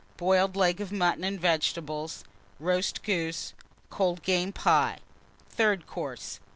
Boiled Leg of Mutton and Vegetables. Roast Goose. Cold Game Pie. THIRD COURSE.